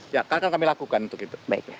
ya kan kami lakukan untuk itu